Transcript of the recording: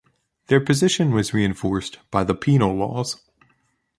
Their position was reinforced by the Penal Laws.